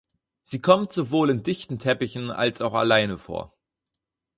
Sie kommt sowohl in dichten Teppichen als auch alleine vor.